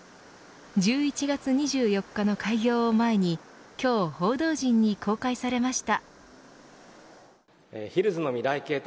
１１月２４日の開業を前に今日報道陣に公開されました。